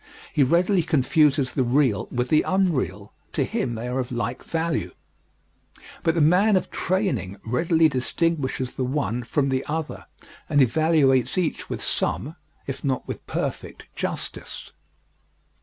He readily confuses the real with the unreal to him they are of like value. But the man of training readily distinguishes the one from the other and evaluates each with some, if not with perfect, justice.